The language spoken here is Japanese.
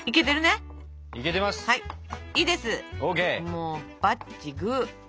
もうバッチグー。